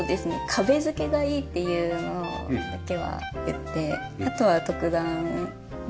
壁付けがいいっていうのだけは言ってあとは特段希望は。